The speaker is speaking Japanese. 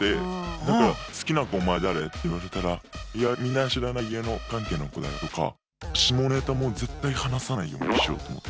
だから「好きな子お前誰？」って言われたら「いやみんな知らない芸能関係の子だよ」とか。下ネタも絶対話さないようにしようと思って。